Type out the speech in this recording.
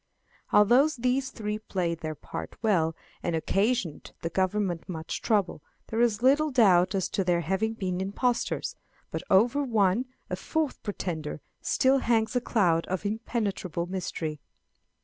Although these three played their part well, and occasioned the Government much trouble, there is little doubt as to their having been impostors; but over one, a fourth pretender, still hangs a cloud of impenetrable mystery.